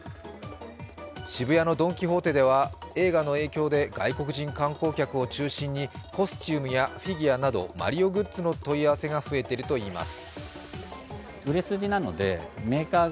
渋谷のドン・キホーテでは映画の影響で外国人観光客を中心にコスチュームやフィギュアなどマリオグッズの問い合わせが増えているといいます。